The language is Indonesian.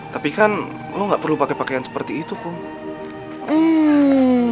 tapi kan lu gak perlu pake pakaian seperti itu kum